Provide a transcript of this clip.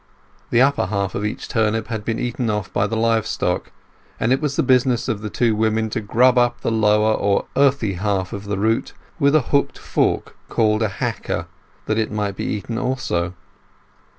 The upper half of each turnip had been eaten off by the live stock, and it was the business of the two women to grub up the lower or earthy half of the root with a hooked fork called a hacker, that it might be eaten also.